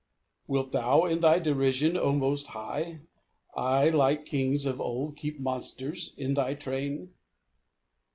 "Wilt Thou in Thy derision, O Most High I Like kings of old keep monsters in Thy train?"